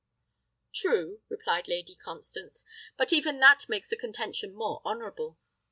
"True," replied Lady Constance; "but even that makes the contention more honourable.